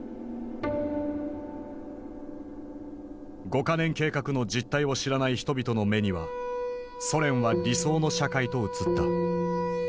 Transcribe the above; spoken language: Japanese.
五か年計画の実態を知らない人々の目にはソ連は理想の社会と映った。